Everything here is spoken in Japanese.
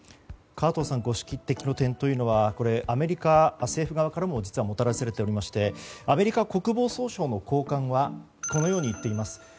河東さんご指摘の点はアメリカ政府側からも実はもたらされていましてアメリカ国防総省の高官はこのように言っています。